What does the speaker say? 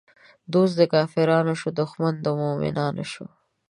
دوست د کافرانو شو، دښمن د مومنانو شو